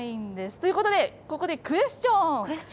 ということで、ここでクエスチョン。